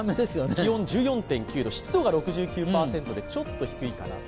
気温１４．９度、湿度が６９％で、ちょっと低いかなと。